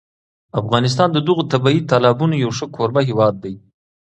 افغانستان د دغو طبیعي تالابونو یو ښه کوربه هېواد دی.